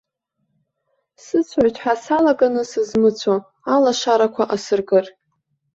Сыцәоит ҳәа салаганы сызмыцәо, алашарақәа асыркыр!